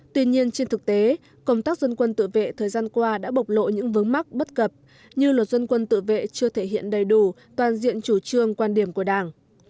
tuy nhiên trên thực tế công tác dân quân tự vệ thời gian qua đã bộc lộ những vướng mắc bất cập như luật dân quân tự vệ chưa thể hiện đầy đủ toàn diện chủ trương quan điểm của đảng